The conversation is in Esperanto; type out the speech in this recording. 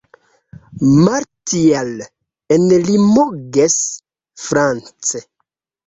Martial en Limoges, France.